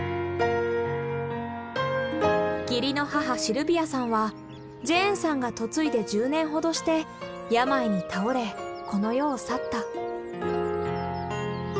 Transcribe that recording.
義理の母シルビアさんはジェーンさんが嫁いで１０年ほどして病に倒れこの世を去った。